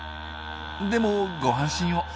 でもご安心を。